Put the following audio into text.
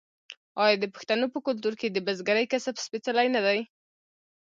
آیا د پښتنو په کلتور کې د بزګرۍ کسب سپیڅلی نه دی؟